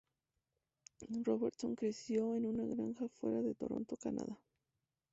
Robertson creció en una granja fuera de Toronto, Canadá.